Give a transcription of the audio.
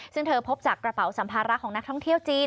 ซึ่งเธอพบจากกระเป๋าสัมภาระของนักท่องเที่ยวจีน